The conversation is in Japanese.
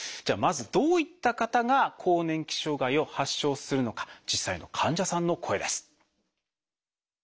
じゃあまずどういった方が更年期障害を発症するのか実際の患者さんの声です。